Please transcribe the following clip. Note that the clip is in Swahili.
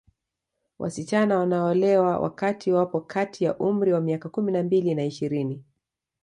Wasichana wanaolewa wakati wapo kati ya umri wa miaka kumi na mbili na ishirini